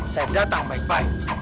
saya datang baik baik